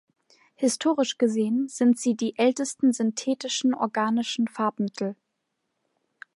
Historisch gesehen sind sie die ältesten synthetischen organischen Farbmittel.